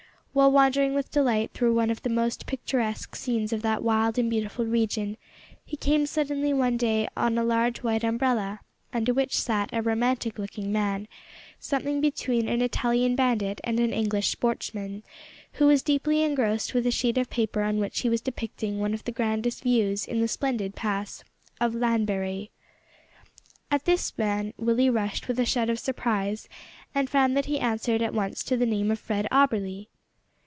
While wandering with delight through one of the most picturesque scenes of that wild and beautiful region, he came suddenly one day on a large white umbrella, under which sat a romantic looking man, something between an Italian bandit and an English sportsman, who was deeply engrossed with a sheet of paper on which he was depicting one of the grandest views in the splendid pass of Llanberis. At this man Willie rushed with a shout of surprise, and found that he answered at once to the name of Fred Auberly!